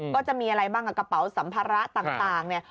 ก็จะมีอะไรบ้างกระเป๋าสัมภาระต่างเนี่ย